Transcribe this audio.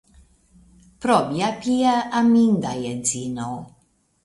Pro mia pia, aminda edzino.